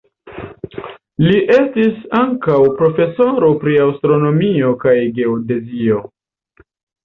Li estis ankaŭ profesoro pri astronomio kaj geodezio.